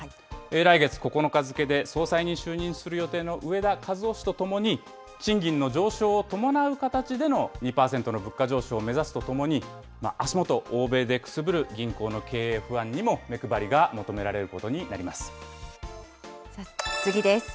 来月９日付で総裁に就任する予定の植田和男氏と共に、賃金の上昇を伴う形での２％の物価上昇を目指すとともに、足もと、欧米でくすぶる銀行の経営不安にも目配りが求められることになり次です。